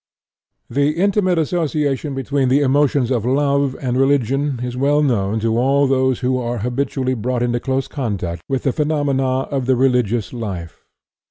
The intimate association between the emotions of love and religion is well known to all those who are habitually brought into close contact with the phenomena of the religious life.